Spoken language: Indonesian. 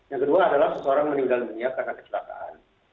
yang kedua adalah seseorang meninggal dunia karena kecelakaan